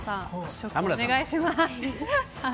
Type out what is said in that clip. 試食お願いします。